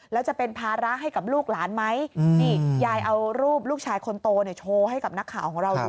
กับนักข่าวของเราดูด้วยนะคะ